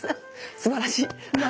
すばらしい。